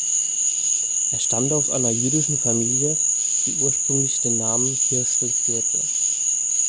Er stammte aus einer jüdischen Familie, die ursprünglich den Namen "Hirschl" führte.